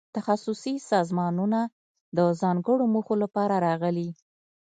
تخصصي سازمانونه د ځانګړو موخو لپاره راغلي.